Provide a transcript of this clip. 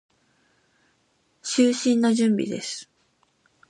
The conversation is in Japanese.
就寝の準備です。